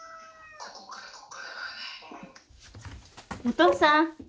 お父さん。